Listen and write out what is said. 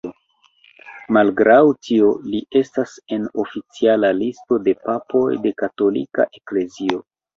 Malgraŭ tio, li estas en oficiala listo de papoj de katolika eklezio.